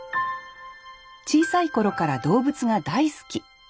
小さい頃から動物が大好き。